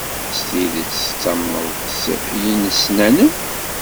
S tidet tettamneḍ s yinesnasen?